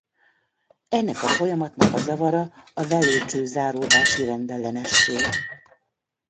Ennek a folyamatnak a zavara a velőcső-záródási rendellenesség.